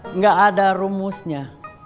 enggak ada rumusnya